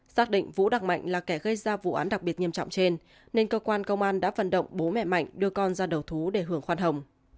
xác định vũ đặc mệnh là kẻ gây ra vụ án đặc biệt nghiêm trọng trên nên cơ quan công an đã vận động bố mẹ mạnh đưa con ra đầu thú để hưởng khoan hồng